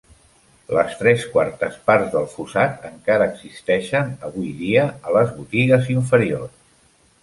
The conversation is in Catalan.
Les tres quartes parts del fossat encara existeixen avui dia, a les 'botigues inferiors'.